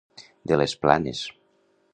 De les Planes.